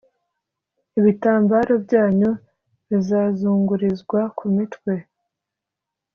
Ibitambaro byanyu bizazungurizwa ku mitwe